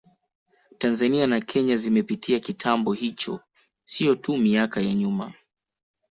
Tanzania na Kenya zimepitia kitambo hicho sio tu miaka ya nyuma